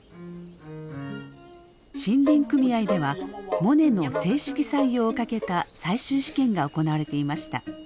森林組合ではモネの正式採用をかけた最終試験が行われていました。